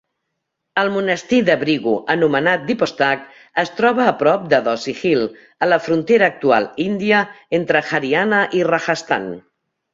El monestir de Bhrigu anomenat "Deepostak" es trobava a prop de Dhosi Hill, a la frontera actual índia entre Haryana i Rajasthan.